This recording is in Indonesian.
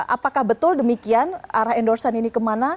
apakah betul demikian arah endorsen ini kemana